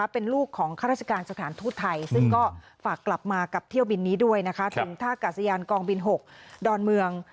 เป็นลูกของข้าราชการสถานทูตไทยซึ่งก็ฝากกลับมากับเที่ยวบินนี้ด้วยนะคะถึงท่ากาศยานกองบิน๖ดอนเมือง